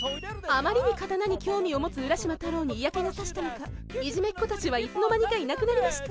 あまりに刀に興味を持つ浦島太郎に嫌気が差したのかいじめっ子たちはいつの間にかいなくなりました